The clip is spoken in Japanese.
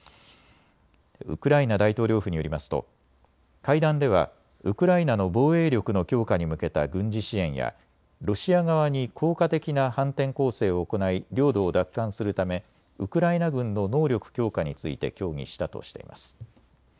ウクライナ大統領府によりますと会談ではウクライナの防衛力の強化に向けた軍事支援やロシア側に効果的な反転攻勢を行い領土を奪還するためウクライナ軍の能力強化について協議したとしています。